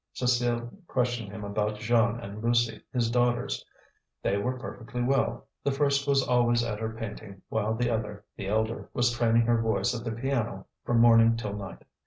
Cécile questioned him about Jeanne and Lucie, his daughters. They were perfectly well, the first was always at her painting, while the other, the elder, was training her voice at the piano from morning till night.